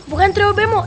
bukan trio bemo